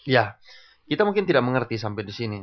ya kita mungkin tidak mengerti sampai di sini